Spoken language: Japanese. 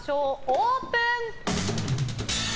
オープン！